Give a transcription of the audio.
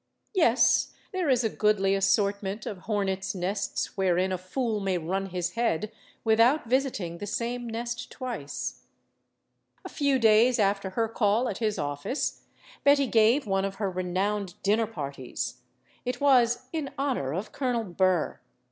Yes, there is a goodly assortment of hornets* nests wherein a fool may run his head without visiting the same nest twice. A few days after her call at his office, Betty gave one of her renowned dinner parties. It was "in honor of Colonel Burr."